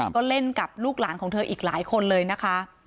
ก็เล่นกับลูกหลานของเธออีกหลายคนเลยนะคะ